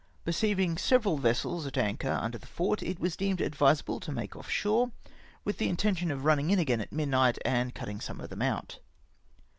Per ceivmg several vessels at anchor under the fort, it was deemed advisable to make off shore, Avith the intention of running in again at midnight, and cutting some of them out.